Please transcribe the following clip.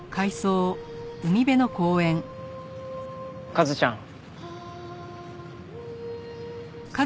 和ちゃん。